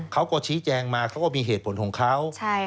เขาก็ชี้แจงมาเขาก็มีเหตุผลของเขา